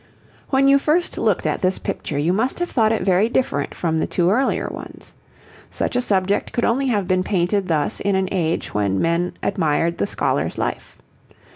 When you first looked at this picture you must have thought it very different from the two earlier ones. Such a subject could only have been painted thus in an age when men admired the scholar's life.